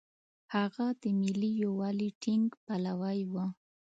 هغه د ملي یووالي ټینګ پلوی و.